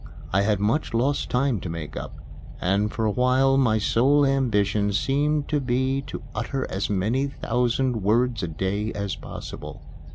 I had much lost time to make up; and for a while my sole ambition seemed to be to utter as many thousand words a day as possible.